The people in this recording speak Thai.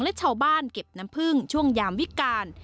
และชาวบ้านเก็บน้ำพึ่งช่วงยามวิการ